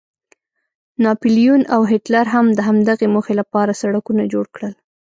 ناپلیون او هیټلر هم د همدغې موخې لپاره سړکونه جوړ کړل.